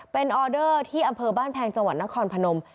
เป็นออเดอร์ที่อำเภอบ้านแพงจังหวัดนครพนม